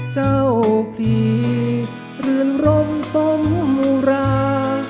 เจ้าผีเหลือนลมสมรา